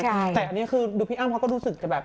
แต่อันนี้คือดูพี่อ้ำเขาก็รู้สึกจะแบบ